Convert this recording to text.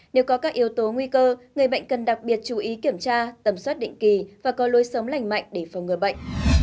nếu có các yếu tố nguy cơ người bệnh cần đặc biệt chú ý kiểm tra tầm soát định kỳ và có lối sống lành mạnh để phòng ngừa bệnh